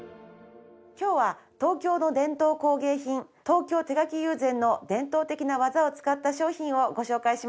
今日は東京の伝統工芸品東京手描友禅の伝統的な技を使った商品をご紹介します。